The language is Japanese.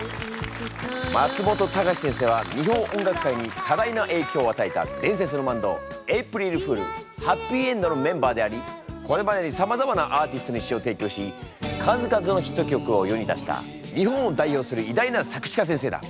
松本隆先生は日本音楽界に多大なえいきょうをあたえた伝説のバンドエイプリルフールはっぴいえんどのメンバーでありこれまでにさまざまなアーティストに詞をていきょうし数々のヒット曲を世に出した日本を代表する偉大な作詞家先生だ！